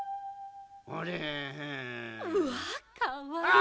うわあかわいい！